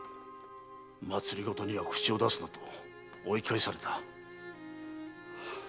「政には口を出すな」と追い返された。